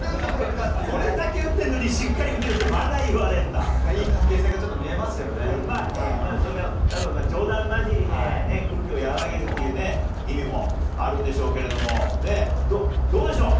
これだけ打ってるのに、しっかり打てよって、まだ言われいい関係性がちょっと見えまそれがたぶん、冗談交じりで空気を和らげるっていうね、意味もあるんでしょうけれども、どうでしょう？